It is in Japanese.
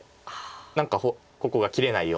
何かここが切れないように。